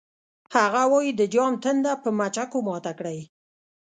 هغه وایی د جام تنده په مچکو ماته کړئ